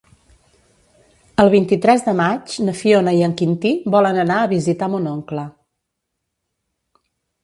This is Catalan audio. El vint-i-tres de maig na Fiona i en Quintí volen anar a visitar mon oncle.